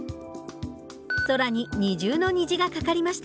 空に二重の虹がかかりました。